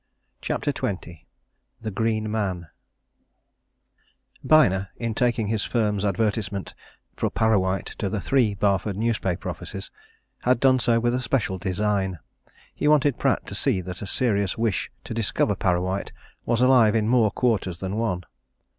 CHAPTER XX THE GREEN MAN Byner, in taking his firm's advertisement for Parrawhite to the three Barford newspaper offices, had done so with a special design he wanted Pratt to see that a serious wish to discover Parrawhite was alive in more quarters than one.